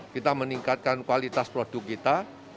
kita meningkatkan kualitas produk kita